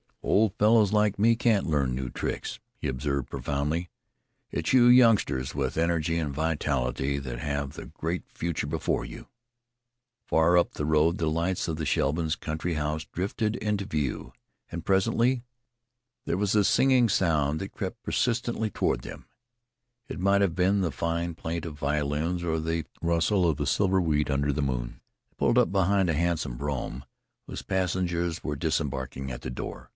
"Old fellows like me can't learn new tricks," he observed profoundly. "It's you youngsters with energy and vitality that have the great future before you." Far up the road the lights of the Shevlins' country house drifted into view, and presently there was a sighing sound that crept persistently toward them it might have been the fine plaint of violins or the rustle of the silver wheat under the moon. They pulled up behind a handsome brougham whose passengers were disembarking at the door.